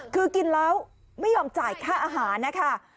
คือกินแล้วไม่ยอมจ่ายค่าอาหารนะคะ